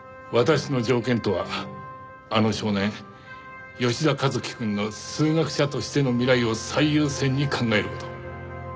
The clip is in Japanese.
私の条件とはあの少年吉田一輝くんの数学者としての未来を最優先に考える事。